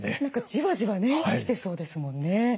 何かじわじわね来てそうですもんね。